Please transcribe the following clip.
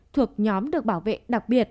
thuộc nhóm được bảo vệ đặc biệt